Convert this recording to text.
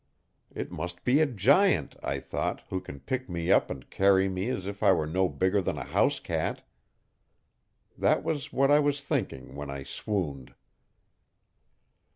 It must be a giant, I thought, who can pick me up and carry me as if I were no bigger than a house cat. That was what I was thinking when I swooned.